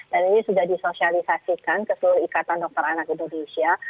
dan ini sudah disosialisasikan ke seluruh ikatan dokter anak indonesia